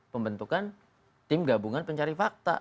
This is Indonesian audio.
pembentukan tim gabungan pencari fakta